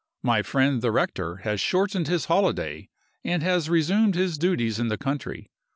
My friend the rector has shortened his holiday, and has resumed his duties in the country.